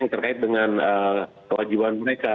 terkait dengan kewajiban mereka